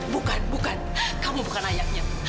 bukan bukan kamu bukan ayahnya